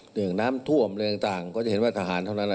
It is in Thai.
เรื่องน้ำท่วมอะไรต่างก็จะเห็นว่าทหารเท่านั้น